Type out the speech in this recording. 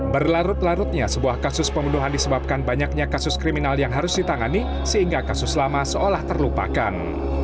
berlarut larutnya sebuah kasus pembunuhan disebabkan banyaknya kasus kriminal yang harus ditangani sehingga kasus lama seolah terlupakan